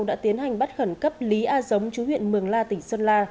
đã tiến hành bắt khẩn cấp lý a giống chú huyện mường la tỉnh sơn la